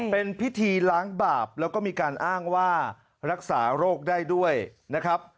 เป็นพิธีล้างบาปแล้วก็มีการอ้างว่ารักษาโรคได้ด้วยนะครับ